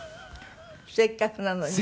せっかくなのにね。